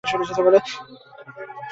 বিভা ভারি মুশকিলে পড়িল।